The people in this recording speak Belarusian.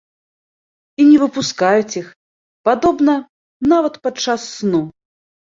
І не выпускаюць іх, падобна, нават падчас сну.